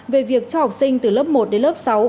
về việc cho học sinh từ lớp một đến lớp sáu